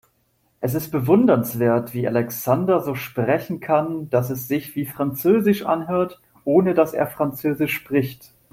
Es ist bewundernswert, wie Alexander so sprechen kann, dass es sich wie französisch anhört, ohne dass er französisch spricht.